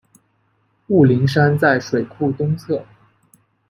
雾灵山在水库东侧。